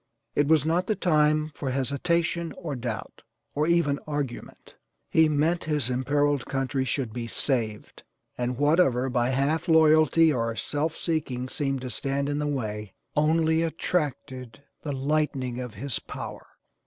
It was not the time for hesitation, or doubt, or even argument. He meant his imperiled country should be saved, and whatever by half loyalty or self seeking seemed to stand in the way only attracted the lightning of his power.